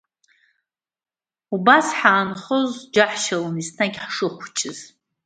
Убас ҳанхоз џьаҳшьалон, еснагь ҳашхәыҷыз.